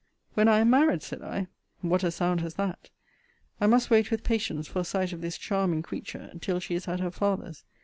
When I am married, said I? What a sound has that! I must wait with patience for a sight of this charming creature, till she is at her father's.